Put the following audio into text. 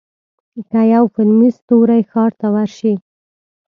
که یو فلمي ستوری ښار ته ورشي.